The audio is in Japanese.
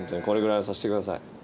これぐらいはさせてください。